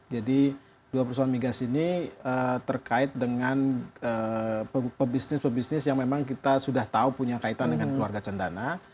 jadi dua perusahaan migas ini terkait dengan pebisnis pebisnis yang memang kita sudah tahu punya kaitan dengan keluarga cendana